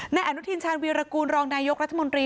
ในอนุทิณชาญวิรากูลรองนายกรรภ์มนตรี